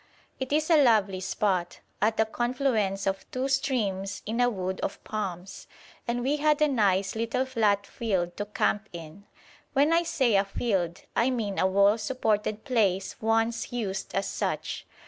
It is a lovely spot, at the confluence of two streams in a wood of palms, and we had a nice little flat field to camp in. When I say a field, I mean a wall supported place once used as such.